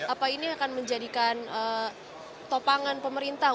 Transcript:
apa ini akan menjadikan topangan pemerintah